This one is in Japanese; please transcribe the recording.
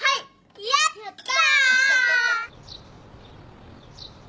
やった。